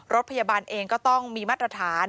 รถพยาบาลเองก็ต้องมีมาตรฐาน